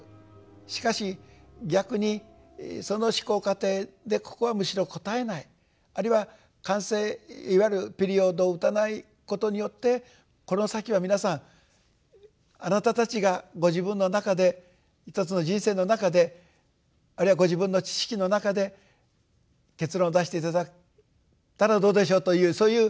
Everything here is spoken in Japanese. しかし逆にその思考過程でここはむしろ答えないあるいは完成いわゆるピリオドを打たないことによって「この先は皆さんあなたたちがご自分の中で一つの人生の中であるいはご自分の知識の中で結論を出して頂いたらどうでしょう」というそういう。